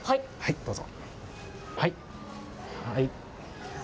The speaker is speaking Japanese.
どうぞ。